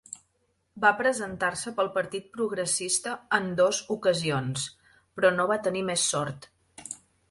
Va presentar-se pel partit progressista en dos ocasions, però no va tenir més sort.